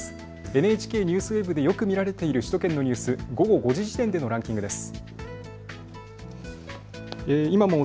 ＮＨＫＮＥＷＳＷＥＢでよく見られている首都圏のニュース、午後５時時点でのランキングです。